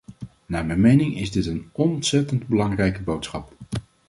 Naar mijn mening is dit een ontzettend belangrijke boodschap.